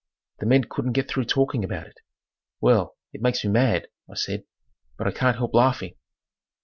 The men couldn't get through talking about it. "Well, it makes me mad," I said, "but I can't help laughing."